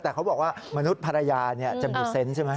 แต่เขาบอกว่ามนุษย์ภรรยาจะมีเซนต์ใช่ไหม